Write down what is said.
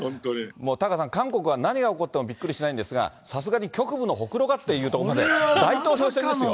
もうタカさん、韓国は何が起こってもびっくりしないんですが、さすがに局部のほくろがっていうところまで、大統領選ですよ。